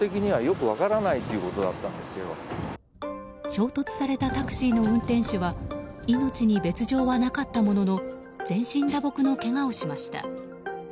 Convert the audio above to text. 衝突されたタクシーの運転手は命に別条はなかったのものの全身打撲のけがをしました。